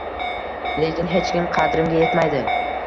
Lekin hech kim qadrimga etmaydi